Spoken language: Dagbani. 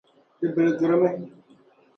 Di biligirimi.